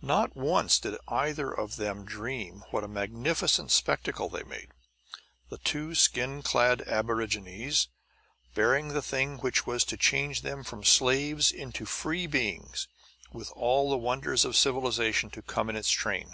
Not once did either of them dream what a magnificent spectacle they made; the two skin clad aborigines, bearing the thing which was to change them from slaves into free beings, with all the wonders of civilization to come in its train.